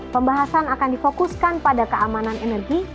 pembahasan akan difokuskan pada keamanan energi